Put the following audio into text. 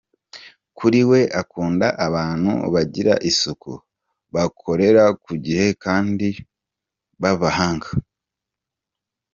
Kuri we, akunda abantu bagira isuku, bakorera ku gihe kandi b’abahanga.